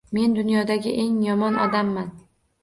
Men dunyodagi eng yomon odamman